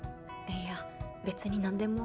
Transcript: いや別に何でも。